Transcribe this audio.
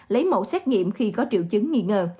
lấy mẫu xét nghiệm khi có triệu chứng nghi ngờ